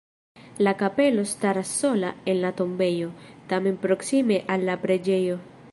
La kapelo staras sola en la tombejo, tamen proksime al la preĝejo.